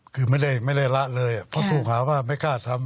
คือไม่ได้ละเลยเพราะถูกหาว่าไม่กล้าทำ